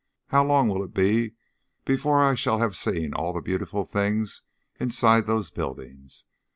"How long will it be before I shall have seen all the beautiful things inside those buildings?